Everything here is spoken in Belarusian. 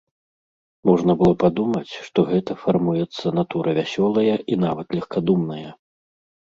Можна было падумаць, што гэта фармуецца натура вясёлая і нават легкадумная.